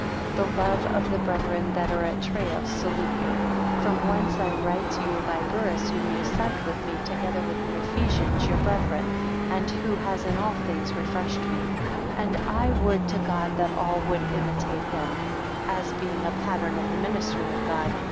20 The love of the brethren that are at Troas salute you; from whence I write to you by Burrhus whom ye sent with me, together with the Ephesians, your brethren; and who has in all Things refreshed me. 21 And I would to God that all would imitate him, as being a pattern of the ministry of God.